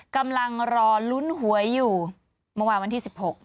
กำลังรอลุ้นหวยอยู่เมื่อวานวันที่๑๖